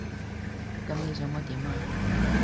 噉你想我點啊？